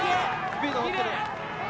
スピード乗ってる。